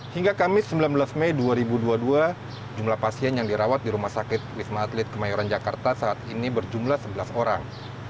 hingga kamis sembilan belas mei dua ribu dua puluh dua jumlah pasien yang dirawat di rumah sakit wisma atlet kemayoran jakarta saat ini berjumlah sebelas orang